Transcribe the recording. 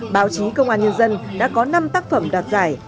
báo chí công an nhân dân đã có năm tác phẩm đoạt giải